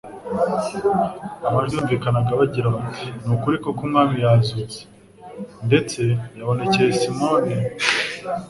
Amajwi yumvikanaga bagira, bati : "Ni ukuri koko Umwami yazutse, ndetse yabonekcye Simoni."